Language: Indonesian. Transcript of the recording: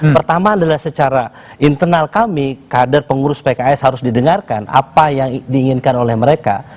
pertama adalah secara internal kami kader pengurus pks harus didengarkan apa yang diinginkan oleh mereka